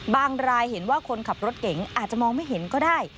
รายเห็นว่าคนขับรถเก๋งอาจจะมองไม่เห็นก็ได้